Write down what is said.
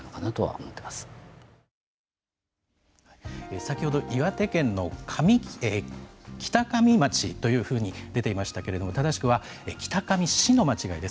先ほど岩手県の北上町というふうに出ていましたけれども正しくは、北上市の間違いです。